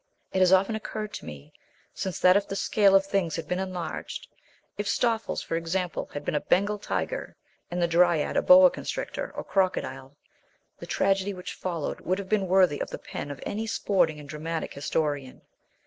It has often occurred to me since that if the scale of things had been enlarged if Stoffles, for example, had been a Bengal tiger, and the Dryad a boa constrictor or crocodile, the tragedy which followed would have been worthy of the pen of any sporting and dramatic historian.